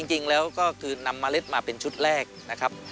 จริงแล้วก็คือนำเมล็ดมาเป็นชุดแรกนะครับ